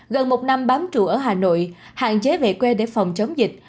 gần một năm bám trụ ở hà nội hạn chế về quê để phòng chống dịch